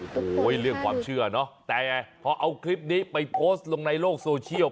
โอ้โหเรื่องความเชื่อเนอะแต่พอเอาคลิปนี้ไปโพสต์ลงในโลกโซเชียล